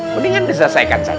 mendingan diselesaikan saja